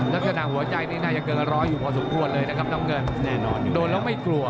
แล้วขนาดหัวใจนี้น่าจะเกินระร้อยอยู่พอสมควรเลยนะครับน้องเงินแน่นอนอยู่เดินแล้วไม่กลัว